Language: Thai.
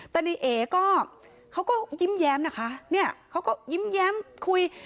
แต่ในเอก็เขาก็ยิ้มแย้มนะคะเนี่ยเขาก็ยิ้มแย้มคุย